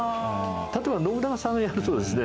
例えば信長さんがやるとですね